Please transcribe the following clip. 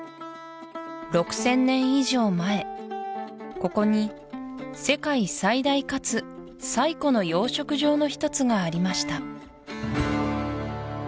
６０００年以上前ここに世界最大かつ最古の養殖場の一つがありました